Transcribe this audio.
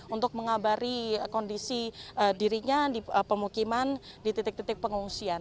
untuk mengabari kondisi dirinya di pemukiman di titik titik pengungsian